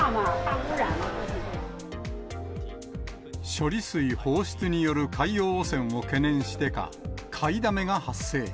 処理水放出による海洋汚染を懸念してか、買いだめが発生。